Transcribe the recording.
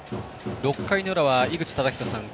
６回の裏は井口資仁さん